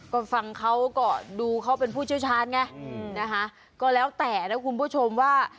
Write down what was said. ก็ฟังเขาก็ดูเขาเป็นผู้เชี่ยวชาญไงนะคะก็แล้วแต่นะคุณผู้ชมว่า